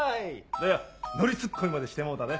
どやノリツッコミまでしてもうたで！